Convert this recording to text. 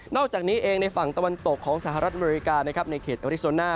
อกจากนี้เองในฝั่งตะวันตกของสหรัฐอเมริกานะครับในเขตอริโซน่า